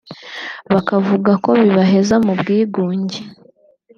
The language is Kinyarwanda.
bakavuga ko bibaheza mu bwigunge